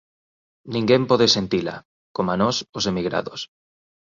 ninguén pode sentila, coma nós, os emigrados